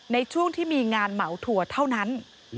ในช่วงที่มีงานเหมาถั่วเท่านั้น